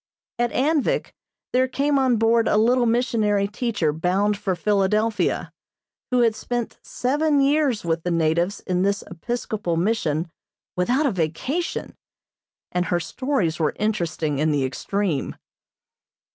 At Anvik there came on board a little missionary teacher bound for Philadelphia, who had spent seven years with the natives in this Episcopal Mission without a vacation, and her stories were interesting in the extreme.